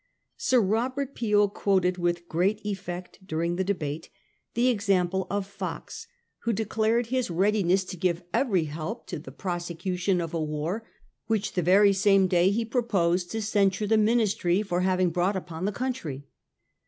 Sir Robert Peel quoted with great effect, during the debate, the example of Eox, who declared 18 40 — 1. DESPERATE COURAGE OF THE CHINESE. 179 his readiness to give every help to the prosecution of a war which the very same day he proposed to censure the Ministry for having brought upon the country.